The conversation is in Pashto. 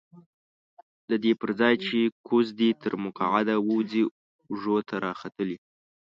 ددې پرځای چې ګوز دې تر مکعده ووځي اوږو ته راختلی.